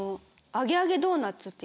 『あげあげドーナツ』。